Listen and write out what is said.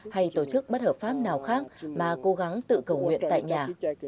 hay tổ chức bất hợp pháp nào khác mà cố gắng tự cầu nguyện tại nhà